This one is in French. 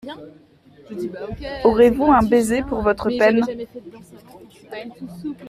Aurez-vous un baiser pour votre peine ?